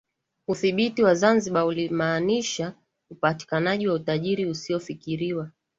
Udhibiti wa Zanzibar ulimaanisha upatikanaji wa utajiri usiofikiriwa